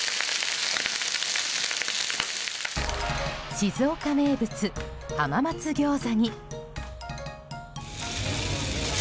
静岡名物、浜松餃子に。